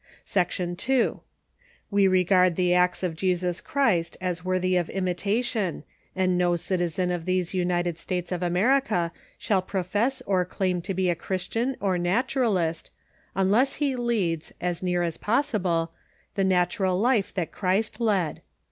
Section II. We regard the acts of Jesus Christ as wor thy of imitation, and no citizen of these United States of America shall profess or claim to be a Christian or Natu ralist unless he leads, as near as possible, the natural life that Christ led.